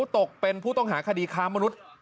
ตกเป็นผู้ต้องหาคดีค้ามนุษย์